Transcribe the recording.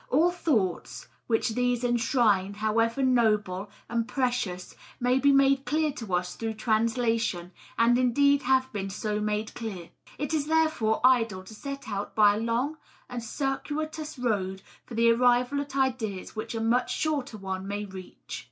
All thoughts which these enshrine, however noble and precious, may be made clear to us through transla tion, and indeed have been so made clear ; it is therefore idle to set out by a long and circuitous road for the arrival at ideas which a much shorter one may reach.